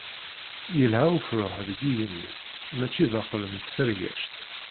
Yelha ufrux deg yigenni mačči daxel n tfergact.